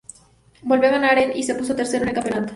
Volvió a ganar en y se puso tercero en el campeonato.